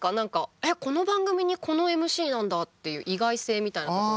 えっこの番組にこのＭＣなんだっていう意外性みたいなところで。